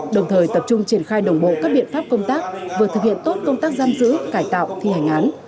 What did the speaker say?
đồng thời tập trung triển khai đồng bộ các biện pháp công tác vừa thực hiện tốt công tác giam giữ cải tạo thi hành án